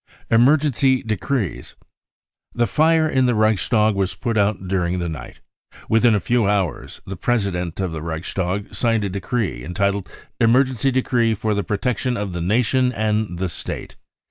Emergency Decrees. The fire in the Reichstag was put out during the night. Within a few hours the President of the Reichstag signed a decree entitled u Emergency Decree for the protection of the Nation and the State."